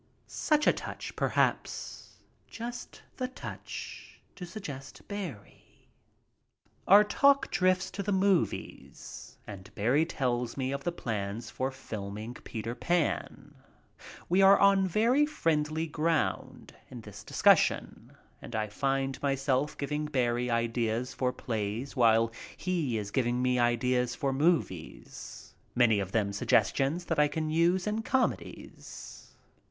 Such a touch, perhaps, just the touch to suggest Barrie. Our talk drifts to the movies and Barrie tells me of the plans for filming "Peter Pan." We are on very friendly ground in this discussion and I find myself giving Barrie ideas for plays while he is giving me ideas for movies, many of them suggestions that I can use in comedies.